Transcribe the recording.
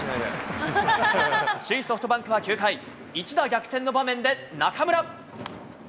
首位ソフトバンクは９回、一打逆転の場面で中村。